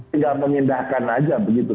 tinggal mengindahkan saja begitu